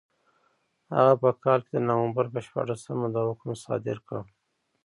هغه په کال د نومبر په شپاړسمه دا حکم صادر کړ.